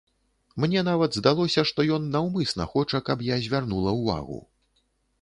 Мне нават здалося, што ён наўмысна хоча, каб я звярнула ўвагу.